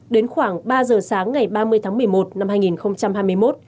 đến khoảng ba giờ sáng ngày ba mươi tháng một mươi một năm hai nghìn hai mươi một